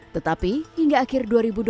tetapi hingga akhir dua ribu dua puluh